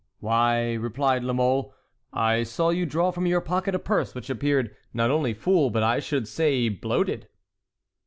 "Why," replied La Mole, "I saw you draw from your pocket a purse which appeared not only full, but I should say bloated."